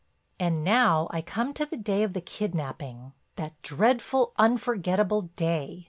"And now I come to the day of the kidnaping, that dreadful, unforgettable day!